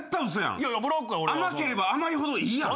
甘ければ甘いほどいいやん。